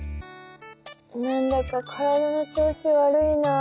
なんだか体の調子悪いなあ。